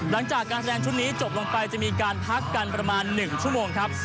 หลังจากการแสดงชุดนี้จบลงไปจะมีการพักกันประมาณ๑ชั่วโมงครับ